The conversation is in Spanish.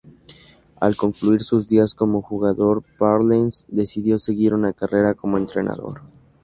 Al concluir sus días como jugador, Parcells decidió seguir una carrera como entrenador.